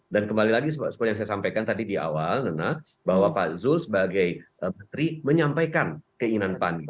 dan kembali lagi seperti yang saya sampaikan tadi di awal karena bahwa pak zul sebagai menteri menyampaikan keinginan pan